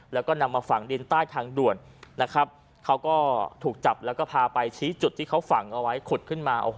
แล้วก็นำมาฝังดินใต้ทางด่วนนะครับเขาก็ถูกจับแล้วก็พาไปชี้จุดที่เขาฝังเอาไว้ขุดขึ้นมา